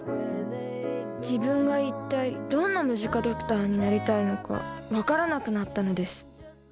自分が一体どんなムジカドクターになりたいのか分からなくなったのです。